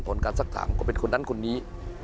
ผลการสักถามก็เป็นคนนั้นคนนี้